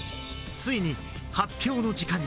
ついに発表の時間に。